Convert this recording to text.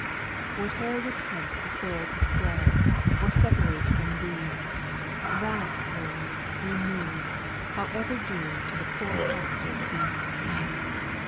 8. Whatever would tempt the soul to stray, Or separate from Thee, That, Lord, remove, however dear To the poor heart it be I 9.